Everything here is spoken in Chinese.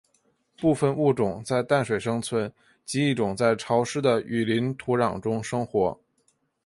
部分物种在淡水生存及一种在潮湿的雨林土壤中生活。